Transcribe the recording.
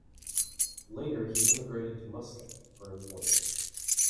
Later he emigrated to Muscat for employment.